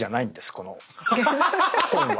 この本は。